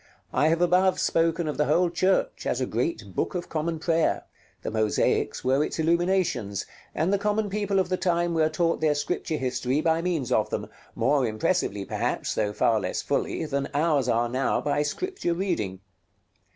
I have above spoken of the whole church as a great Book of Common Prayer; the mosaics were its illuminations, and the common people of the time were taught their Scripture history by means of them, more impressively perhaps, though far less fully, than ours are now by Scripture reading.